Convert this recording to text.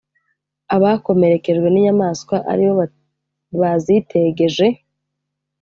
’abakomerekejwe n’inyamaswa ari bo bazitegeje?